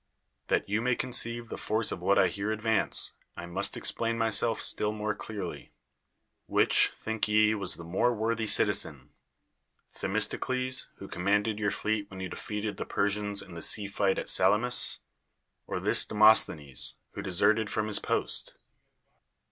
That you may conceive the force of what I here advance, I must explain myself still more clearly. Which, think ye, was the more worthy citizen— Themistocles, who commanded your fleet when you defeated the Persian in the sea fight at Sal amis, or this Demosthenes, who de serted from his post?